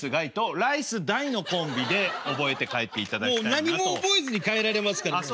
もう何も覚えずに帰られますから皆さん。